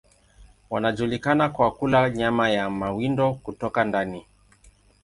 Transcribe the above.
Wanajulikana kwa kula nyama ya mawindo kutoka ndani.